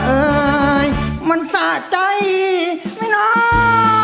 เอ่ยมันสะใจไม่น้อย